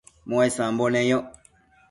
muesambo neyoc